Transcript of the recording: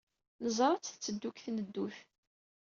Neẓra-tt tetteddu deg tneddut.